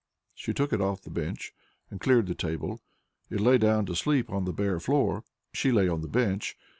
She took it off the bench, and cleared the table. It lay down to sleep on the bare floor; she lay on the bench.